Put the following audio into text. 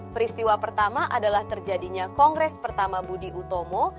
peristiwa pertama adalah terjadinya kongres pertama budi utomo